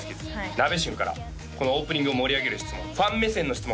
ナベシュンからこのオープニングを盛り上げる質問ファン目線の質問